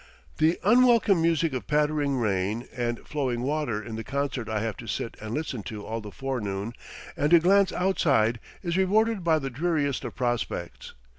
The unwelcome music of pattering rain and flowing water in the concert I have to sit and listen to all the forenoon, and a glance outside is rewarded by the dreariest of prospects.